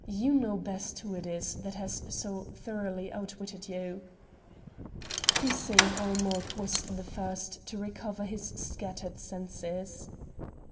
You know best who it is that has so thoroughly outwitted you." Hussein ul Mulk was the first to recover his scattered senses.